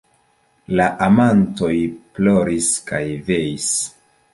La amantoj ploris kaj veis.